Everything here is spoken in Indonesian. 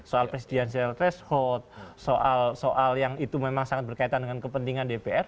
soal presidensial threshold soal soal yang itu memang sangat berkaitan dengan kepentingan dpr